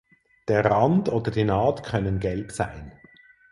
Der Rand oder die Naht können gelb sein.